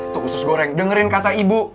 tuh usus goreng dengerin kata ibu